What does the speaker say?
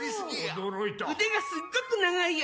「驚いた」「腕がすっごく長いよ」